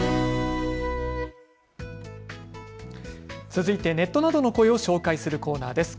続いてネットなどの声を紹介するコーナーです。